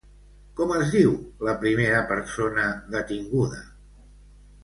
Com es diu la primera persona detinguda?